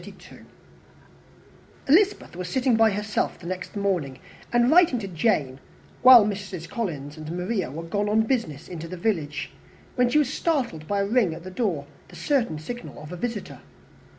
Elizabeth was sitting by herself the next morning, and writing to Jane, while Mrs. Collins and Maria were gone on business into the village, when she was startled by a ring at the door, the certain signal of a visitor.